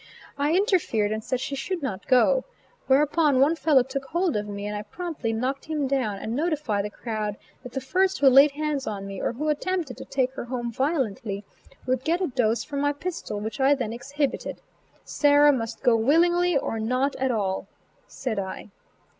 I interfered and said she should not go. Whereupon one fellow took hold of me and I promptly knocked him down, and notified the crowd that the first who laid hands on me, or who attempted to take her home violently, would get a dose from my pistol which I then exhibited: "Sarah must go willingly or not at all," said I.